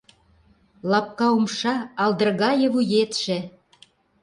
Лапка умша, алдыр гае вуетше!